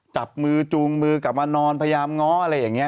จับมือจูงมือกลับมานอนพยายามง้ออะไรอย่างนี้